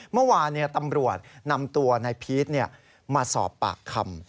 เมื่อวานตำรวจนำตัวนายพีชมาสอบปากคำ